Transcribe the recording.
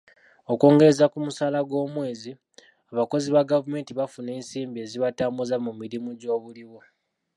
Okwongereza ku musaala gw'omwezi, abakozi ba gavumenti bafuna ensimbi ezibatambuza mu mirimu gy'obuliwo.